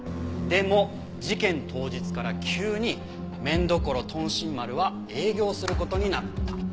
でも事件当日から急に麺処豚新丸は営業する事になった。